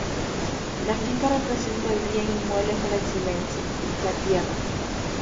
La finca representa el bien inmueble por excelencia: la tierra.